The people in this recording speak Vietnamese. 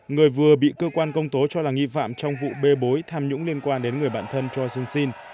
người vừa bị cơ quan công tố cho là nghi phạm trong vụ bê bối tham nhũng liên quan đến người bạn thân cho jun sin